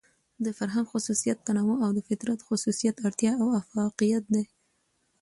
د فرهنګ خصوصيت تنوع او د فطرت خصوصيت اړتيا او اۤفاقيت دى.